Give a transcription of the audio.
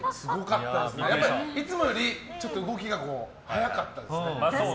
いつもよりちょっと動きが速かったですね。